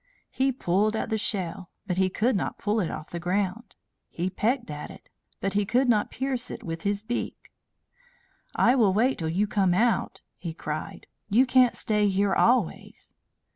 He pulled at the shell, but he could not pull it off the ground. He pecked at it, but he could not pierce it with his beak. "I will wait till you come out," he cried. "You can't stay here always!"